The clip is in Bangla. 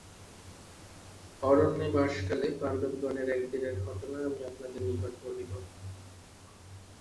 অরণ্যে বাসকালে পাণ্ডবগণের একদিনের ঘটনা আমি আপনাদের নিকট বলিব।